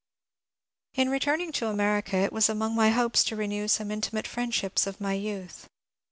In returning to America it was among my hopes to renew some intimate friendships of my youth.